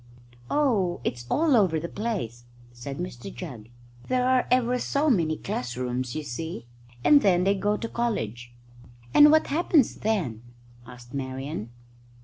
"Oh, it's all over the place," said Mr Jugg; "there are ever so many class rooms, you see. And then they go to college." "And what happens then?" asked Marian.